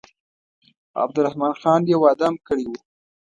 عبدالرحمن خان یو واده هم کړی وو.